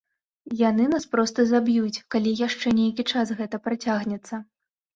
Яны нас проста заб'юць, калі яшчэ нейкі час гэта працягнецца.